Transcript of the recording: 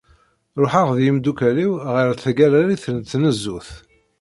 Ruḥeɣ d yemdukal-iw ɣer tgalrit n tnezzut.